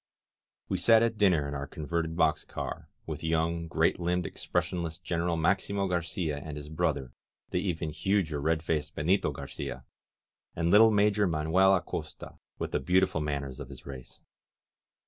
We sat at dinner in our converted box car, with young, great limbed, expressionless Gen eral Maximo Garcia and his brother, the even huger red faced Benito Garcia, and little Major Manuel Acosta, with the beautiful manners of his race.